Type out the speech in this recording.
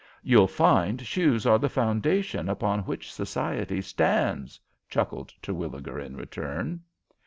"You'll find shoes are the foundation upon which society stands," chuckled Terwilliger in return.